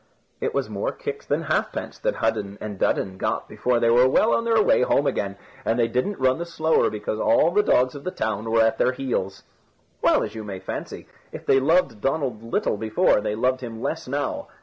It was more kicks than halfpence that Hudden and Dudden got before they were well on their way home again, and they didn't run the slower because all the dogs of the town were at their heels. Well, as you may fancy, if they loved Donald little before, they loved him less now.